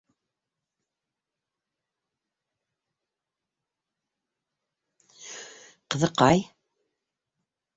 Ҡыҙыҡай...